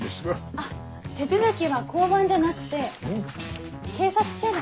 あっ手続きは交番じゃなくて警察署で。